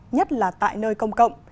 nhất là tại nơi công cộng